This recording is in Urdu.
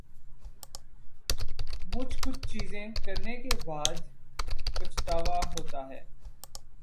مچھ کچھ چیزیں کرنے کے بعد پچھتاوا ہوتا ہے